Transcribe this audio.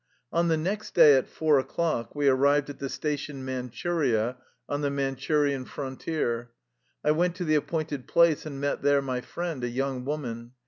On the next day at four o'clock we arrived at the station Manchuria, on the Manchurian frontier. I went to the appointed place and met there my friend, a young woman.